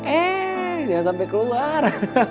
eh jangan sampai keluar